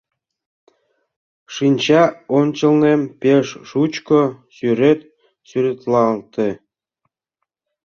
Шинча ончылнем пеш шучко сӱрет сӱретлалте.